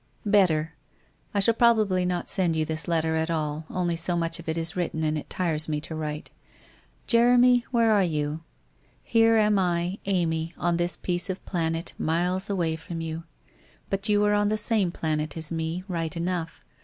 •»••• Better. I shall probably not send you this letter at all, only so much of it is written and it tires me to write. ... Jeremy, where are you? Here am I, Amy, on this piece of planet, miles away from you! But you are on the same planet as me, right enough.